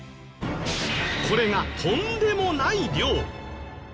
これがとんでもない量！